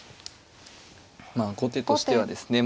まあ後手としてはですね